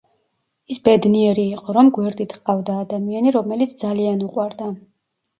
ის ბედნიერი იყო, რომ გვერდით ჰყავდა ადამიანი, რომელიც ძალიან უყვარდა.